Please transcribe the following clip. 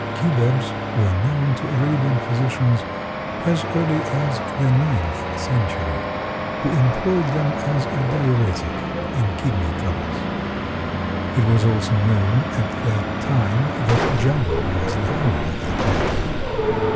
Cubebs were known to Arabian physicians as early as the ninth century, who employed them as a diuretic in kidney troubles. It was also known at that time that Java was the home of the plant.